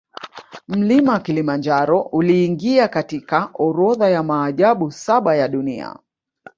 Mlima kilimanjaro uliingia katika orodha ya maajabu saba ya dunia